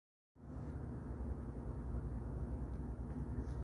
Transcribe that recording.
لشاعرنا خالد في استه